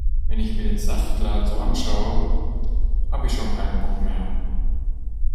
Wenn ich mir den Saftladen so anschaue, hab' ich schon keinen Bock mehr.